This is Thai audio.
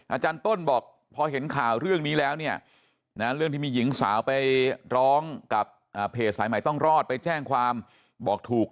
อาจารย์ต้นบอกพอเห็นข่าวเรื่องนี้แล้วเนี่ยนะเรื่องที่มีหญิงสาวไปร้องกับเพจสายใหม่ต้องรอดไปแจ้งความบอกถูก